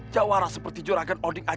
jawara seperti juragan oding